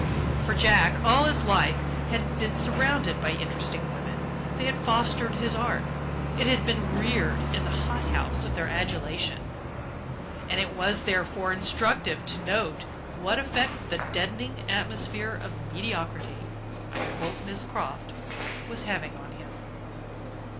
For Jack, all his life, had been surrounded by interesting women: they had fostered his art, it had been reared in the hot house of their adulation. And it was therefore instructive to note what effect the "deadening atmosphere of mediocrity" (I quote Miss Croft) was having on him.